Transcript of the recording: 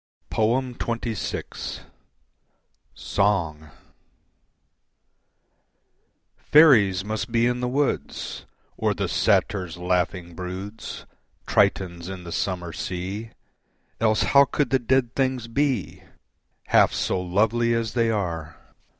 XXVI. Song Faeries must be in the woods Or the satyrs' laughing broods Tritons in the summer sea, Else how could the dead things be Half so lovely as they are?